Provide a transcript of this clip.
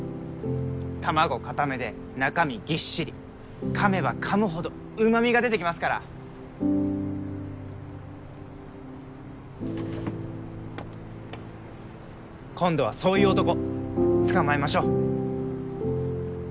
卵固めで中身ぎっしり噛めば噛むほど旨みが出てきますから今度はそういう男捕まえましょう